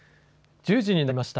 １０時になりました。